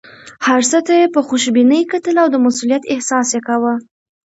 هر څه ته یې په خوشبینۍ کتل او د مسوولیت احساس یې کاوه.